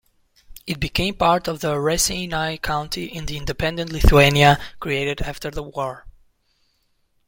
It became part of Raseiniai County in the independent Lithuania created after the war.